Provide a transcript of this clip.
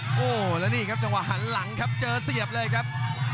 โอ้โหแล้วนี่ครับจังหวะหันหลังครับเจอเสียบเลยครับ